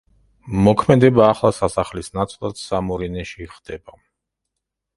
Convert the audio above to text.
მოქმედება ახლა სასახლის ნაცვლად სამორინეში ხდება.